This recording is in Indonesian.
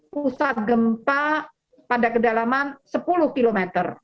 pusat gempa pada kedalaman sepuluh km